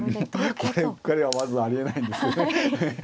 これうっかりはまずありえないんですけどね。